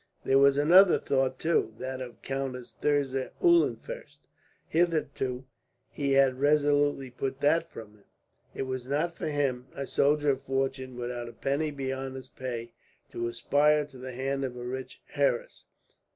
There was another thought, too that of Countess Thirza Eulenfurst. Hitherto he had resolutely put that from him. It was not for him, a soldier of fortune, without a penny beyond his pay, to aspire to the hand of a rich heiress.